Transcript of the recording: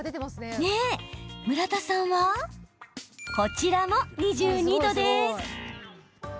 村田さんはこちらも２２度です。